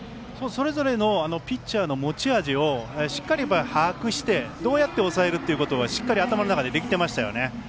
それぞれのピッチャーの持ち味をしっかり把握してどうやって抑えるってことがしっかり頭の中でできてましたよね。